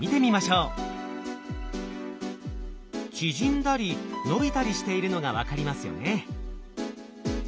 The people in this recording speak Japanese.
縮んだり伸びたりしているのが分かりますよね。